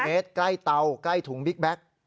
เมตรใกล้เตาใกล้ถุงบิ๊กแบ็ค